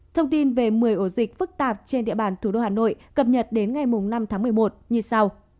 thông tin về một mươi ổ dịch phức tạp trên địa bàn thủ đô hà nội cập nhật đến ngày năm tháng một mươi một như sau